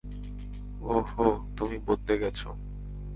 ওহ, তুমি বদলে গেছ।